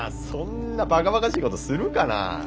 そんなばかばかしいことするかな。